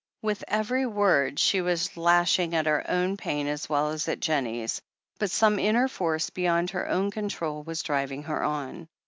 With every word she was lashing at her own pain as well as at Jennie's, but some inner force beyond her own control was driving her on.